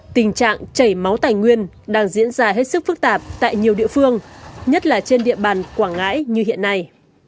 tình trạng chảy máu tài nguyên đang diễn ra hết sức phức tạp tại nhiều địa phương nhất là trên địa bàn quảng ngãi như hiện nay